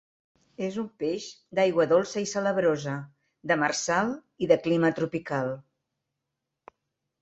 És un peix d'aigua dolça i salabrosa, demersal i de clima tropical.